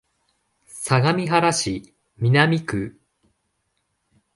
相模原市南区